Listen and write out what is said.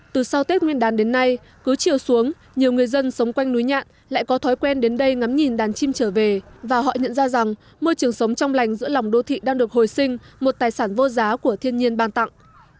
từ sau tết nguyên đàn đến nay cứ chiều xuống nhiều người dân sống quanh núi nhạn lại có thói quen đến đây ngắm nhìn đàn chim trở về và họ nhận ra rằng môi trường sống trong lành giữa lòng đô thị đang được hồi sinh một tài sản vô giá của thiên nhiên ban tặng